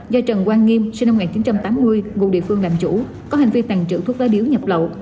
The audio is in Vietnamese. do trần quang nghiêm sinh năm một nghìn chín trăm tám mươi ngụ địa phương làm chủ có hành vi tàn trữ thuốc lá điếu nhập lậu